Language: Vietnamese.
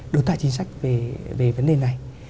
đối tả chính sách về vấn đề này